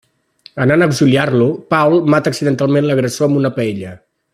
Anant a auxiliar-lo, Paul mata accidentalment l'agressor amb una paella.